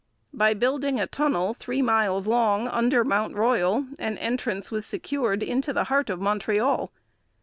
By building a tunnel three miles long under Mount Royal, an entrance was secured into the heart of Montreal.